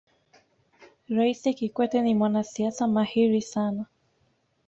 raisi kikwete ni mwanasiasa mahiri sana